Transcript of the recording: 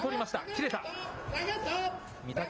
切れた。